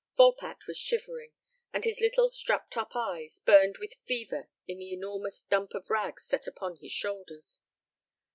Volpatte was shivering, and his little strapped up eyes burned with fever in the enormous dump of rags set upon his shoulders.